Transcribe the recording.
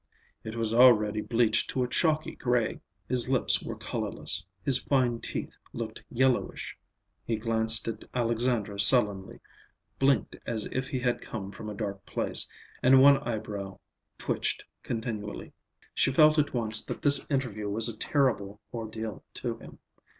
It was already bleached to a chalky gray. His lips were colorless, his fine teeth looked yellowish. He glanced at Alexandra sullenly, blinked as if he had come from a dark place, and one eyebrow twitched continually. She felt at once that this interview was a terrible ordeal to him.